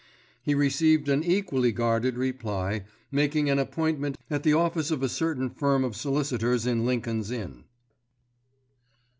He received an equally guarded reply, making an appointment at the office of a certain firm of solicitors in Lincoln's Inn.